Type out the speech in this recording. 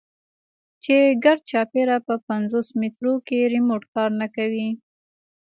چې ګردچاپېره په پينځوس مټرو کښې ريموټ کار نه کوي.